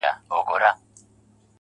ستا په سترگو کي سندري پيدا کيږي.